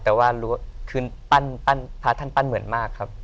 แต่ว่าคืนปั้นพระท่านปั้นเหมือนมากครับ